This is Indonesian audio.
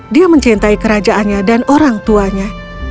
dia mencintai kerajaannya dan orang tuanya